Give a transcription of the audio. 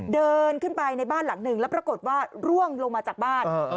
เดินขึ้นไปในบ้านหลังหนึ่งแล้วปรากฏว่าร่วงลงมาจากบ้าน